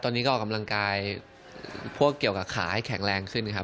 ตอนนี้ก็ออกกำลังกายพวกเกี่ยวกับขาให้แข็งแรงขึ้นครับ